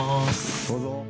どうぞ。